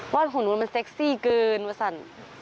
ของหนูมันเซ็กซี่เกินว่าสั่น